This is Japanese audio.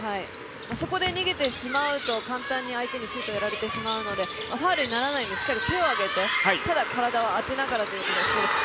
そこで逃げてしまうと簡単に相手にシュートやられてしまうのでファウルにならないようにしっかり手を挙げて、ただ体を当てながらということが必要です。